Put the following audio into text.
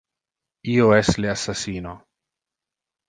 Io es le assassino.